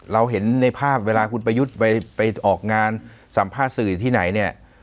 เราเห็นในภาพเวลาคุณประยุทธ์ไปออกงานสัมภาษณ์สื่อที่ไหนเนี่ย